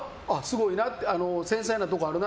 繊細なところあるな。